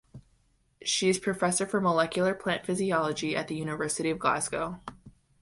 She is professor for Molecular Plant Physiology at the University of Glasgow.